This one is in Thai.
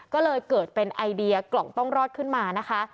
ก็เลยเกิดเป็นไอเดียกล่องต้องรอดขึ้นมานะคะ